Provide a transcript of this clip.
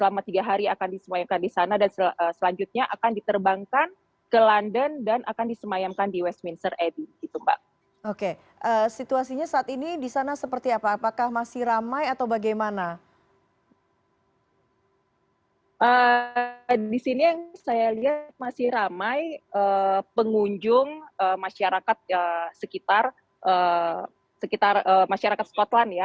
masih ramai pengunjung masyarakat sekitar masyarakat scotland ya